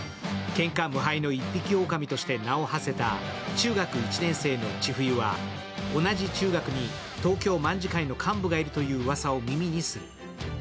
けんか無敗の一匹おおかみとして名をはせた中学１年生の千冬は同じ中学に東京卍會の幹部がいるといううわさを耳にする。